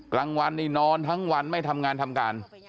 กลางวันนี่นอนทั้งวันไม่ทำงานทำการ